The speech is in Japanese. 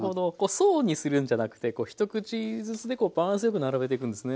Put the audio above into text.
層にするんじゃなくて一口ずつでバランスよく並べていくんですね。